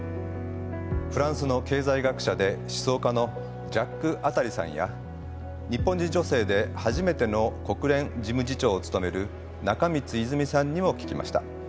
フランスの経済学者で思想家のジャック・アタリさんや日本人女性で初めての国連事務次長を務める中満泉さんにも聞きました。